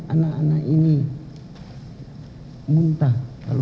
anak anak ini muntah